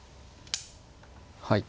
はい。